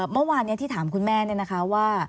เมื่อวานนี้ที่ถามคุณแม่เนี่ยนะคะว่า